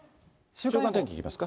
週間天気いきますか。